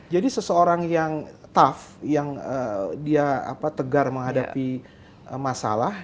jadi seseorang yang tough yang tegar menghadapi masalah